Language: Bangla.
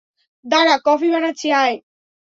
দাঁড়া কফি বানাচ্ছি, আয়।